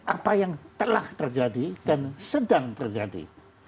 apa yang telah terjadi dan sedang terjadi